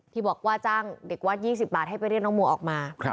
ที่บอกว่าจ้างเด็กวัด๒๐บาทให้ไปเรียกน้องมัวออกมา